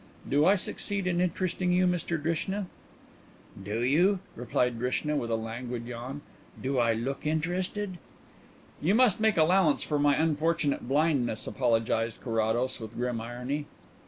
Do I succeed in interesting you, Mr Drishna?" "Do you?" replied Drishna, with a languid yawn. "Do I look interested?" "You must make allowance for my unfortunate blindness," apologized Carrados, with grim irony.